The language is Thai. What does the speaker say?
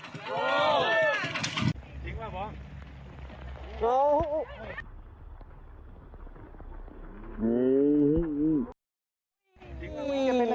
สู้